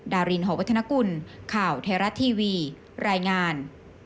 ดารินหอวัฒนกุลข่าวไทยรัฐทีวีรายงาน